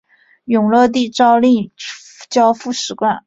永乐帝诏令交付史官。